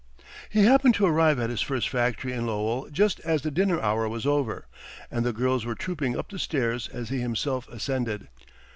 He happened to arrive at his first factory in Lowell just as the dinner hour was over, and the girls were trooping up the stairs as he himself ascended.